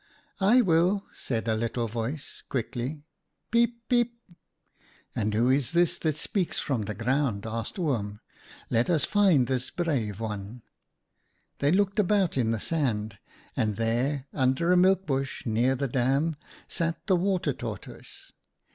"' I will,' said a little voice, quickly. ' Peep ! peep !'* And who is this that speaks from the ground ?' asked Oom. ' Let us find this brave one/ " They looked about in the sand, and there, under a milk bush near the dam, sat the Water Tortoise.